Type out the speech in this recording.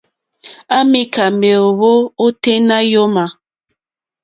À mìká méèwó óténá yǒmà.